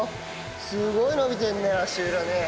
すごい伸びてるね、足裏ね。